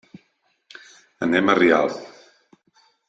Anem a Rialp.